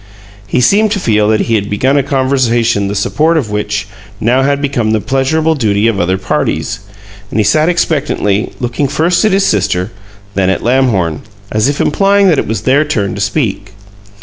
He seemed to feel that he had begun a conversation the support of which had now become the pleasurable duty of other parties; and he sat expectantly, looking first at his sister, then at Lamhorn, as if implying that it was their turn to speak.